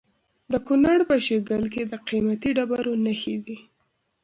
د کونړ په شیګل کې د قیمتي ډبرو نښې دي.